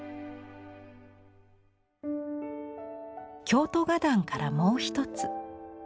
京都画壇からもう一つ。